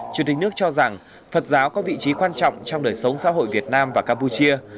chủ tịch nước cho rằng phật giáo có vị trí quan trọng trong đời sống xã hội việt nam và campuchia